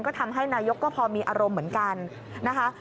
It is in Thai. ก็ทำให้นายกก็พอมีอารมณ์เหมือนกันนะคะ